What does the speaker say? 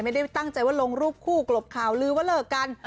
ไม่ได้ตั้งใจว่าลงรูปคู่กลบข่าวลือว่าเลิกกัน